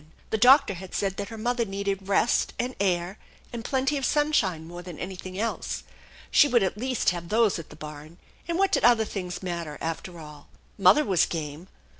The doctor had said that her mother needed rest and air and plenty of sunshine more than anything else. She would at least have those at the barn, and what did other things mat ter, after all ? Mother was game.